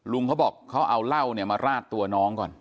ลุงเขาบอกเขาเอาเหล้าเนี่ยมาราดตัวน้องก่อน